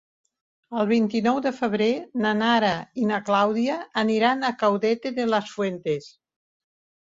El vint-i-nou de febrer na Nara i na Clàudia aniran a Caudete de las Fuentes.